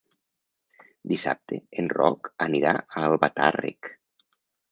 Dissabte en Roc anirà a Albatàrrec.